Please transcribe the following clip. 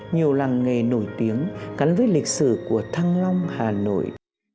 nhiều làng nghề nổi tiếng gắn với lịch sử của thăng long hà nội